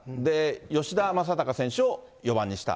吉田正尚選手を４番にした。